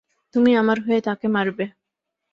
তুমি আমার হয়ে তাকে মারবে।